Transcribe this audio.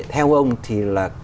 theo ông thì là